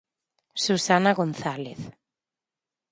Susana González.